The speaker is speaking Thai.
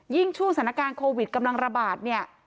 ยิ่งช่วงสถานการณ์โควิดกำลังระบาด